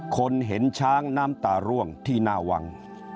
คนเห็นช้างน้ำตาร่วงที่หน้าวัง